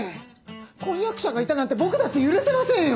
婚約者がいたなんて僕だって許せませんよ。